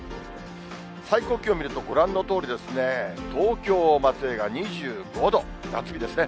最高気温見ると、ご覧のとおり、東京、松江が２５度、夏日ですね。